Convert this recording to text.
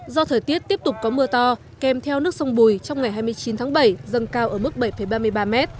do thời tiết tiếp tục có mưa to kèm theo nước sông bùi trong ngày hai mươi chín tháng bảy dâng cao ở mức bảy ba mươi ba m